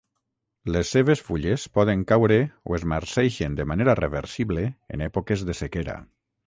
Les seves fulles poden caure o es marceixen de manera reversible en èpoques de sequera.